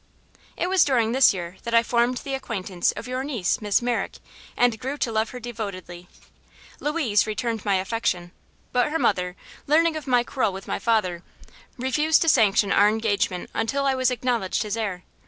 "It was during this year that I formed the acquaintance of your niece, Miss Merrick, and grew to love her devotedly. Louise returned my affection, but her mother, learning of my quarrel with my father, refused to sanction our engagement until I was acknowledged his heir.